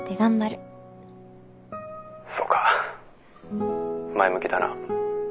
そうか前向きだな。